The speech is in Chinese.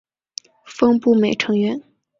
峰步美成员。